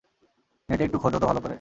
নেটে একটু খোঁজো তো ভালো করে!